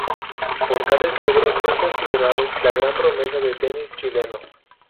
Por tales logros fue considerado la gran promesa del tenis chileno.